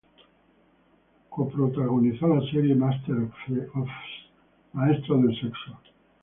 Coprotagonizó la serie "Masters of Sex.